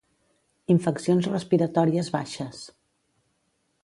Infeccions respiratòries baixes.